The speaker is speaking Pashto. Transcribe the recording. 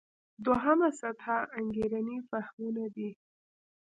دوهمه سطح انګېرنې فهمونه دي.